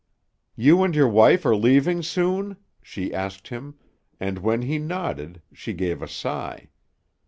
"You and your wife are leaving soon?" she asked him, and, when he nodded, she gave a sigh.